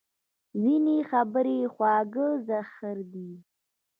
ځینې خبرې خواږه زهر دي